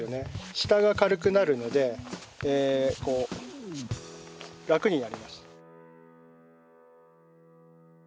下が軽くなるのでこう楽になります。